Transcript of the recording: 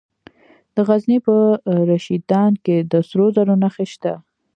د غزني په رشیدان کې د سرو زرو نښې شته.